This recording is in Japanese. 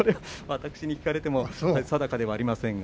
私に聞かれても定かではありませんが。